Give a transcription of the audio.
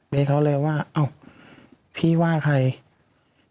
แล้วเขาเลยว่าพี่ว่าใคร